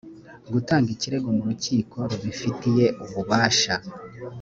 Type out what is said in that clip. gutanga ikirego mu rukiko rubifitiye ububasha